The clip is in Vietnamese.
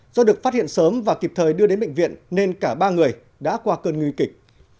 do được phát hiện sớm và kịp thời đưa đến bệnh viện nên cả ba người đã qua cơn nguy kịch